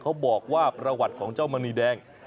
เขาบอกว่าประวัติของเจ้ามณีแดง